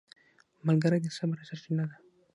ملګری د صبر سرچینه ده